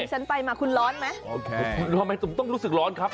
ฉันไปมาคุณร้อนไหมโอเคคุณร้อนไหมผมต้องรู้สึกร้อนครับ